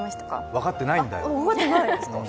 分かってないんだよ。